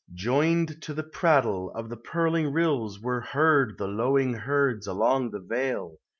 Joined to the prattle of the purling rills Were heard the lowing herds along the vale, MYTHICAL: LEGENDARY.